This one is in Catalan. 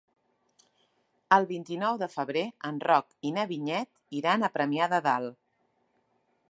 El vint-i-nou de febrer en Roc i na Vinyet iran a Premià de Dalt.